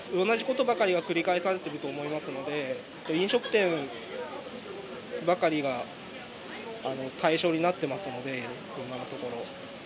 同じことばかりが繰り返されてると思いますので、飲食店ばかりが対象になってますので、今のところ。